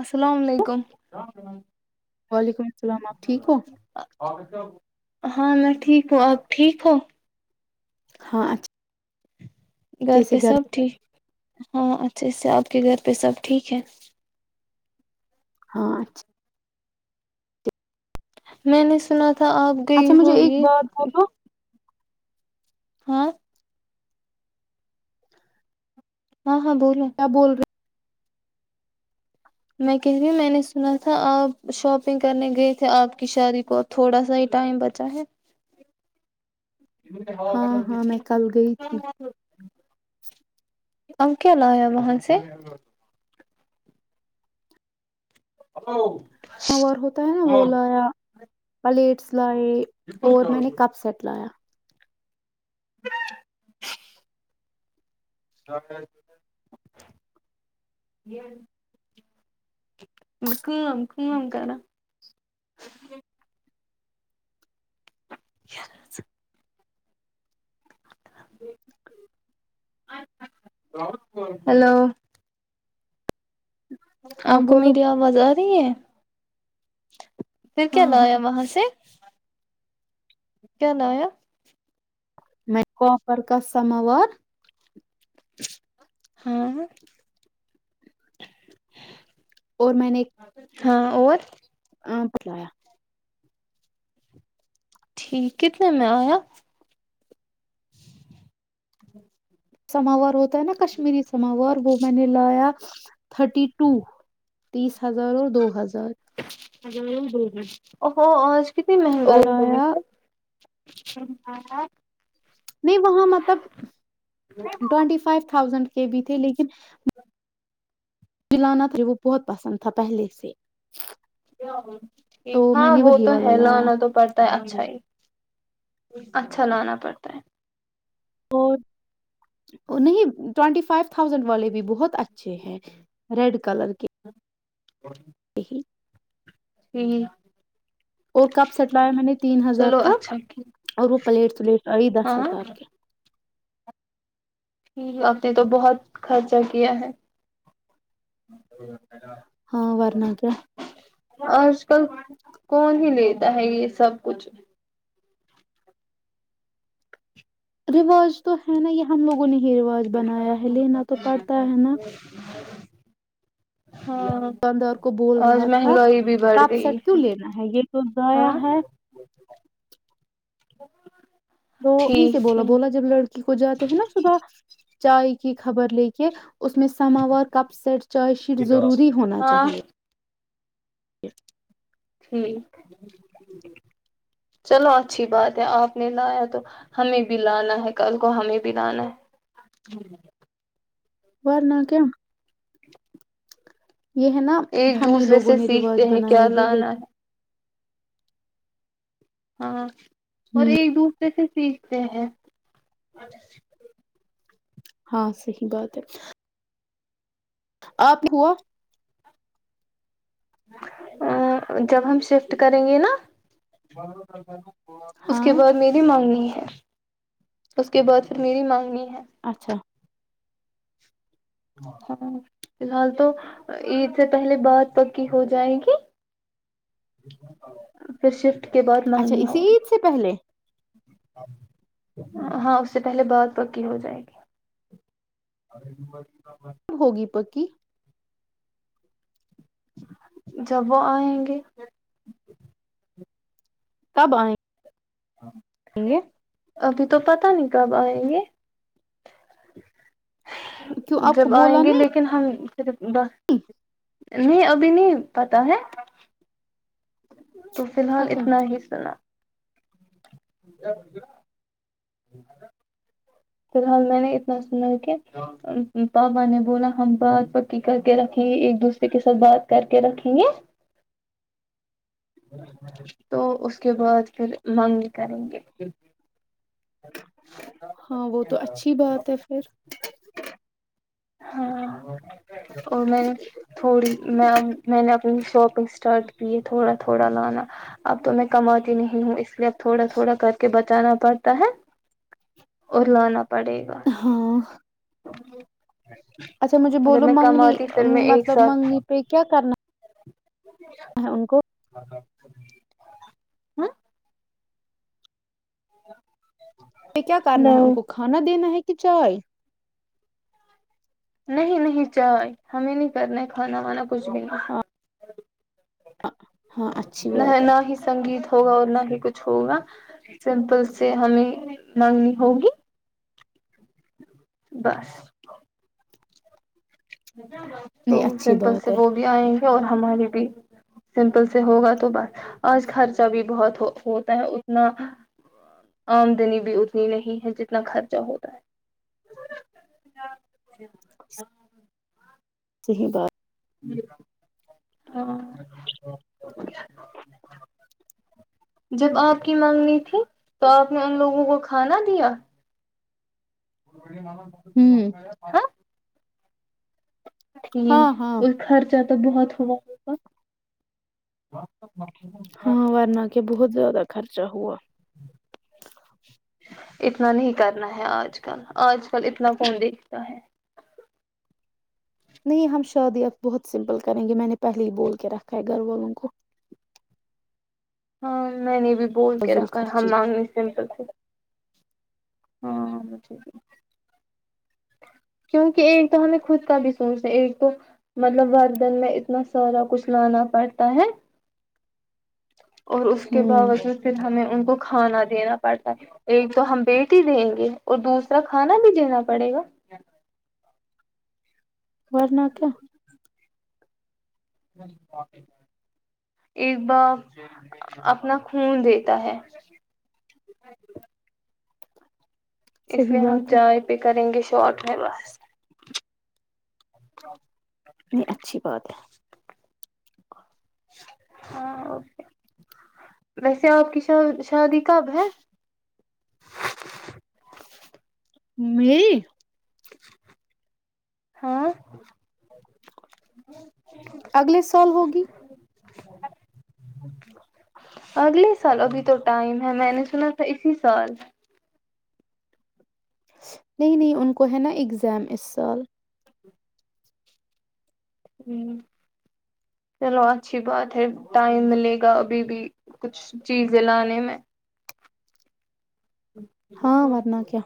السلام علیکم کم وعلیکم السلام آپ ٹھیک ہو [unintelligible] ہاں میں ٹھیک ہوں اپ ٹھیک ہو ہاں اچھا [unintelligible] گھر پہ سب ٹھیک ہاں اچھا اس سے آپ کے گھر پہ سب ٹھیک ہے ہاں اچھا میں نہیں سنا تھا آپ اچھا گئی ہو مجھے ایک یہ بات ہو تو ہ [unintelligible] ہاں ہاں بولو کیا بول رہے میں کہ میں نے سنا تھا آپ شاپنگ کرنے گئے تھے آپ کی شاد کو تھوڑا سا ہی ٹائم بچا ہے ہا ہاں کا ہاں میں [unintelligible] کل گئی تھی ہم کیا لا ہے محن سے ا [unintelligible] موار ہوتا ہے نا وہ لایا پلیٹس لائے اور میں نے کب سیٹ لایا ج [unintelligible] کا کا کر ل [unintelligible] ہلو ہاں اپ کو بولو میری اواز ارہی ہے نہیں ہے پھر ہاں کیا ہاں لایا وہاں سے کیا لایا میں کو پر کا سموار ہاں اور میں نے ہاں اور ہاں بلایا ٹھیک کتنے میں آیا سماور ہو ہے نا کشمیری سماور وہ میں نے لایا تھرٹی ٹو تیس ہزار اور دو ہزار بول اہو کتنی اور مہنگائی ہوگی آیا س ہم نہیں وہاں مطلب ٹوینٹی فائیو تھاؤزینڈ کے بھی تھے لیکن لیکن [unintelligible] میلانت ر وہو بہت پسند تھا پہلے سے تو یک میں ہاں نے وہ وہی تو والا ہے لایا لانا تو پڑتا ہے اچھا ہی اچھا لانا پڑتا ہے اور نہیں ٹینٹی فائیو تھاؤزینڈ والے بھی بہت اچھے ہیں ریڈ کلر کے ہ اور تی [unintelligible] ہوں اور کپ سیٹ لایا میں نے تین ہزار کا اچھا اور وہ پلیٹ سلیٹ آئی دس ہاں ہزار کے آپ نے تو بہت خرچہ کیا ہے ہاں وورنا کیا آج کل کون ہی لیتا ہے یہ سب کچھ رواج تو ہے نا یہ ہم لوگ ن ہی رواج بنایا ہے لینا تو پڑتا ہے نا ہاں داندار کو بول آج رہا تھا مہنگائی بھی بڑھ کاپ گئی سیٹ کیوں لینا ہے یہ تو ضایا ہاں ہے ہ تویں سے بولا بولا جب لڑکی کو جاتے ہیں نا صبح چائے کی خبر لے کے اس میں سماور کپ سیٹ چارج شیٹ ضروری ہونا ہاں چاہیے ج ہ چلو اچھی بات ہے آپ نے لایا تو ہمیں بھی لانا ہے کل کو ہمیں بھی لانا ہے بور نہ کیوں یہ ہے نا ایک ہم ہی دوسرے لوگوں سے نے رواج سیکھتے بنائے کیا ہیں لانا لیکن ہے ہاں اور ہ ایک ڈ سے سیکھتے ہیں ہاں صحی بات ہے آپ ہوا جب ہم شفٹ کریں گے نا اس کے ہاں بعد میری مانگنی ہے اس کے بعد پھر میری مانگنی ہے اچھا ہاں فی الحال تو عید سے پہلے بات پکی ہو جائے گی پ ش اچھا اسیید سے پہلے ہاں اس سے پہلے بہت پکی ہو جائے گی ب ہوگی پکی جبو ہیں گے کب آئیں ہ گ ابھی تو پت نہیں کب آئیں گے کیوں آپ کو جب آئیں بولا گے لیکن ہم نہیں ابھی نہیں پتا ہے ہ تو فی نہیں الحال اچھا اتنا ہی سنا ا ج فی الحال میں نے اتنا سنا کہ پاپا نے بولا ہم بات پکی کر کے رکھیں گے ایک دوسرے کے ساتھ بات کر کے رکھیں گے تو اس کے بعد پھر منگ کریں گے ہاں وہ تو اچھی بات ہے پھر ہاں اور میں تھوڑی میں میں نے اپنی شاپنگ اسٹارٹ کی ہے تھوڑا تھوڑا لانا اب تو میں کماتی نہیں ہوں اس لیے اب تھوڑا تھوڑا کر کے بچانا پڑتا ہے اور لانا پڑے گا ہاں ہ اچھا مجھے بولو منگنی پھر میں ایک مطلب منگنی پہ کیا کرنا ج ان کو ہ ہ [inaudible] کیا کرنا ہے ان کو کھا دین ہے کہ کی چائے نہیں نہیں چائے ہمیں نہیں کرنا ہے کھانا وانا کچھ بھی ہاں اچھی نہ بات ہے نہ ہی سنگیت ہوگا اور نہ ہی کچھ ہوگا سمپل سے ہمیں مگنی ہوگی بس تو نہیں اچھی سمپل بات سے ہے وہ بھی آئیں گے اور ہماریے بھی سمپل سے ہوگا تو بس آج خرچہ بھی بہت ہوتا ہے اتنا آمدنی بھی اتنی نہیں ہے جتنا خرچہ ہوتا ہے صحیح بات جب آپ کی منگنی تھی تو آپ نے ان لوگوں کو کھانا دیا ہ [unintelligible] ٹھیک ہاں ہاں اس خرچہ توب بہت ہوا ہوا ہاں ورنہ کے بہت زیادہ خرچہ ہوا اتنا نہیں کرنا ہے آج کل آج کل اتنا فون دیکھتا ہے نہیں ہم شادی اب بہت سمپل کریں گے میں نے پہلے ہی بول کے رکھا ہے گھر والوں کو ہاں نہیں نہیں بھی بول کے فضول رکھا ہے ہم خرچی مانگنی سمپل سے ہاں کیونکہ ایک تو ہمیں خود کا بھی سوچنا ایک تو مطلب وردن میں اتنا سارا کچھ لانا پڑتا ہے اور اس کے ہوں باوجود پھر ہمیں ان کو کھانا دینا پڑتا ہے ایک تو ہم بی دیں گے اور دوسرا کھانا بھی دینا پڑے گا ورنہ کیا ایک بار اپنا خون دیتا ہے اس صحیح لیے ہم بات ہے چائے پہ کریں گے بہت ہے بس نہیں اچھی بات ہے [inaudible] ہاں اوکے ویسے آپ کی ش شادی کب ہے میری ہاں اگلے سال ہوگی اگلے سال ابھی تو ٹائم ہے میں نے سنا تھا اسی سال نہیں نہیں ان کو ہے نہ ایگزام اس سال چلو اچھی بات ہے ٹائم ملے گا ابھی بھی کچھ چیزیں لانے میں ہاں ورنہ کیا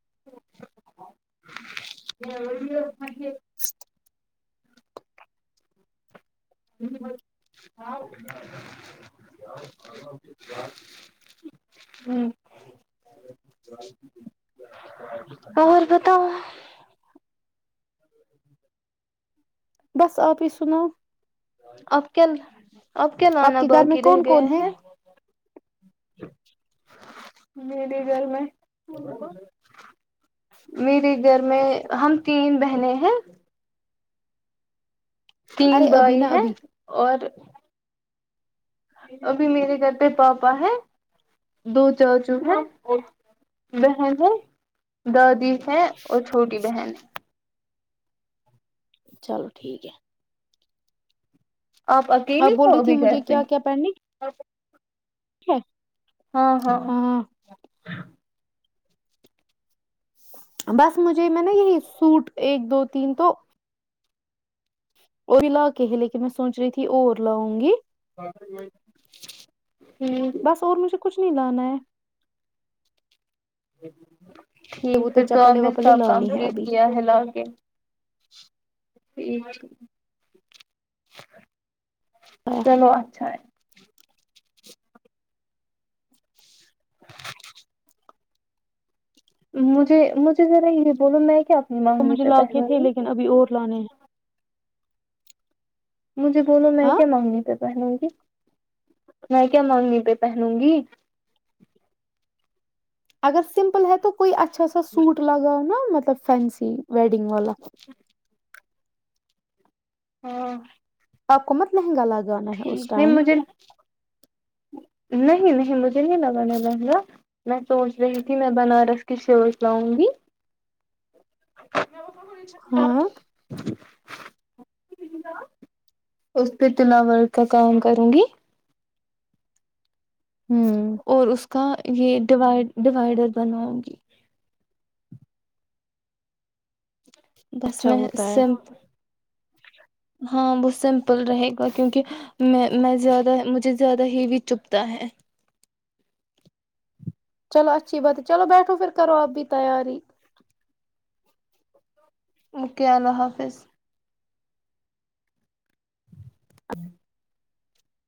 [inaudible] [inaudible] اور بتاو بس آپ ہی سناؤ اب کل اب کیا آپ لانا کے گھر میں باقی رہ کون گیا کون ہے میرے گھر میں میرے گھر میں ہم تین بہنیں ہیں تین ارے ابھی بھائی نا ہے ابھی اور ابھی میرے گھر پہ پاپا ہے دو چاچو ہیں بہن ہے دادی ہے اور چھوٹی بہن ہے چلو ٹھیک ہے آپ اکیلے ہو بول رہی تھی ابھی گھر مجھے پہ کیا کیا پہننے [unintelligible] ہاں ہاں بس مجھے میں نہ یہی سوٹ ایک دو تین تو وہی لا کے ہی لیکن میں سوچ رہی تھی اور لاؤں گی [inaudible] بس اور مجھے کچھ نہیں لانا ہے [inaudible] ٹھیک وہ پھر تو اپ چپلے نے وپلے سب لانی ہے کمپلیٹ ابھی کیا ہے لا کے ٹھیک چلو اچھا ہے مجھے مجھے ذرا یہ بولوں میں کیا اپنی وہ مانگنی مجھے پہ لا کے پہنوں تھے گی لیکن ابھی اور لانے ہے مجھے بولو میں ہاں کیا منگنی پہ پہنوں گی میں کیا منگنی پہ پہنوں گی اگر سمپل ہے تو کوئی اچھا سا سوٹ لگانا مطلب فینسی ویڈنگ والا ہاں آپ کو مت میں گا لگانا ہے اس ٹھیک نہیں ٹائم مجھے نہیں نہیں مجھے نہیں لگانا لہنگا میں سوچ رہی تھی میں بنارس کی شرز لاؤں گی ہاں [inaudible] اس پہ تلاورک کا کام کروں گی ہمم اور اس کا یہ ڈوائڑ ڈیوائڈر بناؤں گی بس اچھا میں ہوتا ہے سم ہاں وہ سمپل رہے گا کیونکہ میں میں زیادہ مجھے زیادہ ہیوی چپتا ہے چلو اچھی بات ہے چلو بیٹھو پھر کرو آپ بھی تیاری اوکے اللہ حافظ ہ